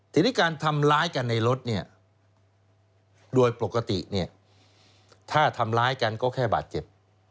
ทีนี้การทำร้ายกันในรถเนี่ยโดยปกติเนี่ยถ้าทำร้ายกันก็แค่บาดเจ็บ